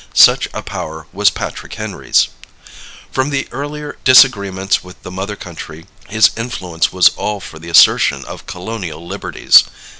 Such a power was Patrick Henry's. From the earlier disagreements with the mother country his influence was all for the assertion of colonial liberties.